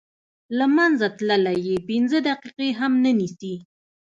له منځه تلل یې پنځه دقیقې هم نه نیسي.